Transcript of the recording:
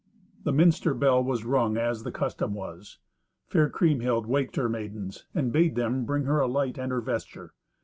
The minster bell was rung as the custom was. Fair Kriemhild waked her maidens, and bade them bring her a light and her vesture.